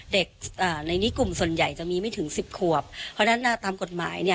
อ่าในนี้กลุ่มส่วนใหญ่จะมีไม่ถึงสิบขวบเพราะฉะนั้นตามกฎหมายเนี่ย